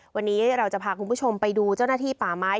วันนี้เราจะพาคุณผู้ชมไปดูเจ้าหน้าที่ป่าไม้